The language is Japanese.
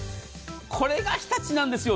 これが日立なんですよ。